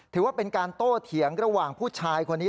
ถือว่าเป็นการโต้เถียงระหว่างผู้ชายคนนี้